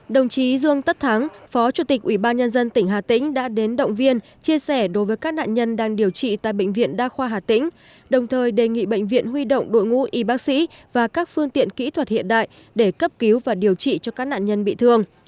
đồng chí dương tất thắng phó chủ tịch ủy ban nhân dân tỉnh hà tĩnh đã đến động viên chia sẻ đối với các nạn nhân đang điều trị tại bệnh viện đa khoa hà tĩnh đồng thời đề nghị bệnh viện huy động đội ngũ y bác sĩ và các phương tiện kỹ thuật hiện đại để cấp cứu và điều trị cho các nạn nhân bị thương